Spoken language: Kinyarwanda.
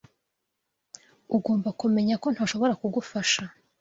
Ugomba kumenya ko ntashobora kugufasha.